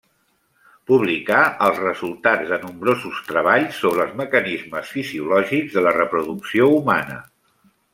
Publicà els resultats de nombrosos treballs sobre els mecanismes fisiològics de la reproducció humana.